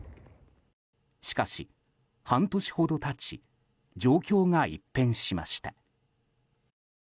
しかし、半年ほど経ち状況が一変しました。